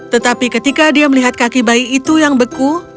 tetapi ketika dia melihat kaki bayi itu yang beku